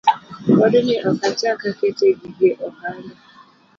Odni ok achak akete gige ohanda